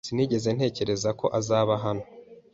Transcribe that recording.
Sinigeze ntekereza ko uzaba hano.